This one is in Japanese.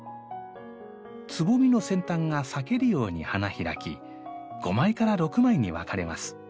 つぼみの先端が裂けるように花開き５枚から６枚に分かれます。